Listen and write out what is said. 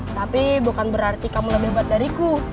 tapi bukan berarti kamu lebih hebat dariku